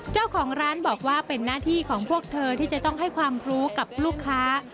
เจ้าของร้านบอกว่าเป็นหน้าที่ของพวกเธอที่จะต้องให้ความรู้กับลูกค้า